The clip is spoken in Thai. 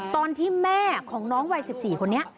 ตอนที่แม่ของน้องวัย๑๔คนนี้